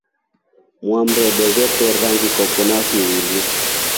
Mwarde wete rangi Koko na fivili.